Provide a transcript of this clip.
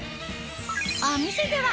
お店では